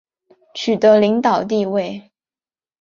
取得领导地位